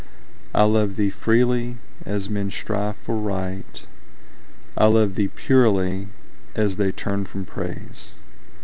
I love thee freely, as men strive for Right; I love thee purely, as they turn from Praise.